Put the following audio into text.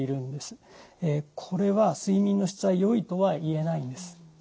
これは睡眠の質はよいとは言えないんです。